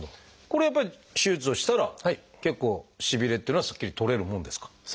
これはやっぱり手術をしたら結構しびれっていうのはすっきり取れるもんですか？